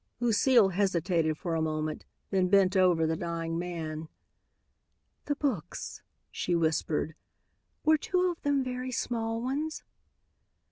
Lucile hesitated for a moment, then bent over the dying man. "The books," she whispered. "Were two of them very small ones?"